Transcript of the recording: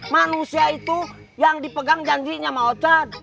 manusia itu yang dipegang janjinya mang ochar